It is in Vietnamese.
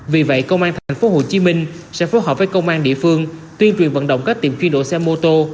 vì vậy công an tp hcm sẽ phối hợp với công an địa phương tuyên truyền vận động các tiệm truy đổ xe mô tô